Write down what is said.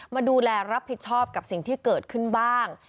มาดูแลรับผิดชอบกับสิ่งที่เกิดขึ้นบ้าง